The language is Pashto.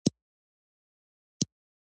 د کندهار د قلعه بست دروازې د هاتیو په شکل وې